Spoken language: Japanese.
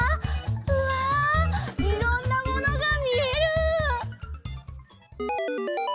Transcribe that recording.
うわいろんなものがみえる！